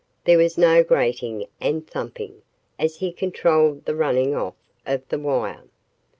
There was no grating and thumping, as he controlled the running off of the wire.